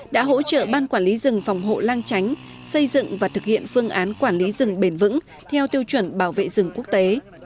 đã hỗ trợ ban quản lý rừng phòng hộ lang tránh xây dựng và thực hiện phương án quản lý rừng bền vững theo tiêu chuẩn bảo vệ rừng quốc tế